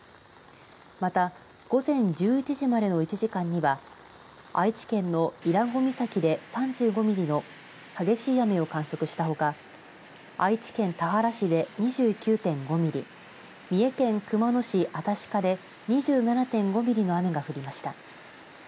また午前１１時までの１時間には愛知県の伊良湖岬で３５ミリの激しい雨を観測したほか愛知県田原市で２９．５ミリ三重県熊野市新鹿で２７．５ミリの雨が降りました。